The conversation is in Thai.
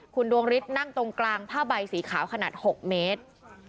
คุณดวงฤทธิ์นั่งตรงกลางผ้าใบสีขาวขนาด๖เมตร